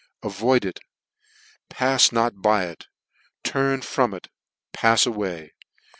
Avoid it, pafs not by it ; turn from " it, and pafs away.